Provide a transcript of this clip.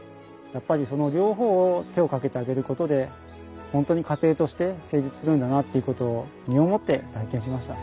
やっぱりその両方を手をかけてあげることで本当に家庭として成立するんだなっていうことを身をもって体験しました。